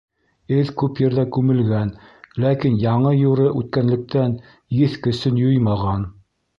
Эҙ күп ерҙә күмелгән, ләкин яңы-юры үткәнлектән, еҫ көсөн юймаған.